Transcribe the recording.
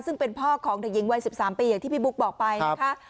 ซึ่งเป็นพ่อของเด็กหญิงวัย๑๓ปีอย่างที่พี่บุ๊คบอกไปนะคะ